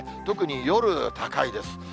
特に夜、高いです。